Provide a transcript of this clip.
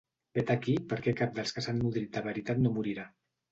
Vet aquí per què cap dels que s’han nodrit de veritat no morirà.